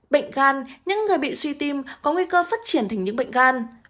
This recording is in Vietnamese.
bệnh gan những người bị suy tim có nguy cơ phát triển thành những bệnh gan